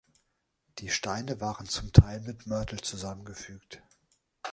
Die Steine waren zum Teil mit Mörtel zusammengefügt.